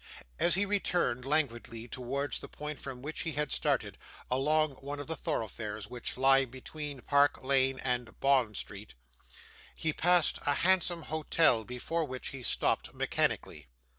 As he returned languidly towards the point from which he had started, along one of the thoroughfares which lie between Park Lane and Bond Street, he passed a handsome hotel, before which he stopped mechanically.